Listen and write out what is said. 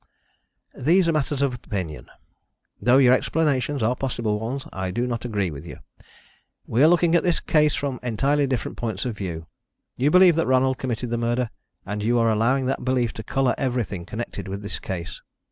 "These are matters of opinion, and, though your explanations are possible ones, I do not agree with you. We are looking at this case from entirely different points of view. You believe that Ronald committed the murder, and you are allowing that belief to colour everything connected with the case.